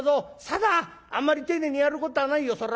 あんまり丁寧にやることはないよ。